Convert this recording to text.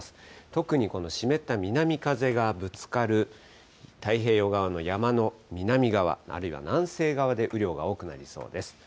特にこの湿った南風がぶつかる太平洋側の山の南側、あるいは南西側で雨量が多くなりそうです。